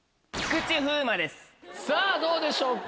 さぁどうでしょうか？